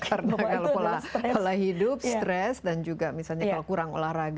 karena kalau pola hidup stres dan juga misalnya kalau kurang olahraga